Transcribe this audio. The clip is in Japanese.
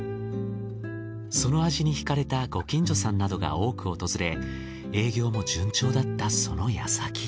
その味に惹かれたご近所さんなどが多く訪れ営業も順調だったその矢先。